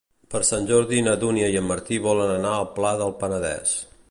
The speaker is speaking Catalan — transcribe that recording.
Per Sant Jordi na Dúnia i en Martí volen anar al Pla del Penedès.